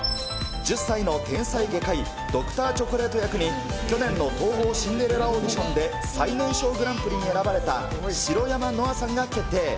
１０歳の天才外科医、Ｄｒ．チョコレート役に去年の東宝シンデレラオーディションで最年少グランプリに選ばれた白山乃愛さんが決定。